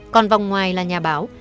còn vòng ngoài là nhà báo